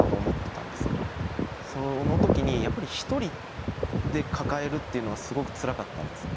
その時にやっぱり一人で抱えるっていうのはすごくつらかったんですね。